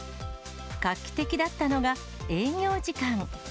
画期的だったのが、営業時間。